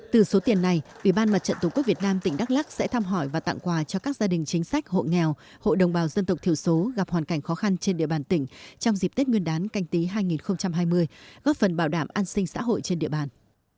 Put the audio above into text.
từ số tiền này ủy ban mặt trận tổ quốc việt nam tỉnh đắk lắc sẽ thăm hỏi và tặng quà cho các gia đình chính sách hộ nghèo hộ đồng bào dân tộc thiểu số gặp hoàn cảnh khó khăn trên địa bàn tỉnh trong dịp tết nguyên đán canh tí hai nghìn hai mươi góp phần bảo đảm an sinh xã hội trên địa bàn